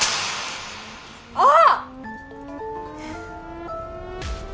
あっ！